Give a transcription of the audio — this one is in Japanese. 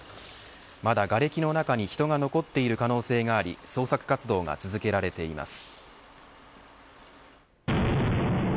まだがれきの中に人が残っている可能性があり捜索活動が続けられています。